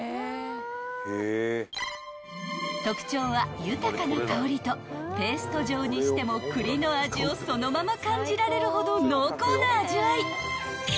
［特徴は豊かな香りとペースト状にしても栗の味をそのまま感じられるほど濃厚な味わい］